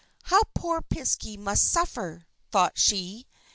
"How the poor Piskey must suffer!" thought she.